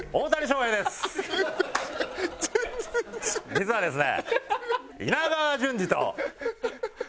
実はですね。